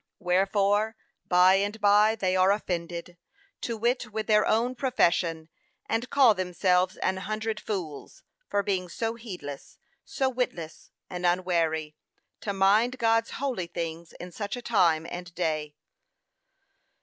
Wherefore, by and by they are offended; to wit, with their own profession, and call themselves an hundred fools, for being so heedless, so witless, and unwary, to mind God's holy things in such a time and day.